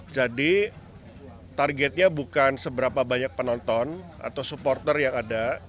jadi targetnya bukan seberapa banyak penonton atau supporter yang ada